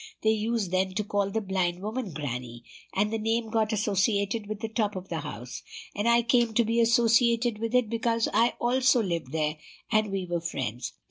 They used then to call the blind woman grannie, and the name got associated with the top of the house; and I came to be associated with it because I also lived there and we were friends.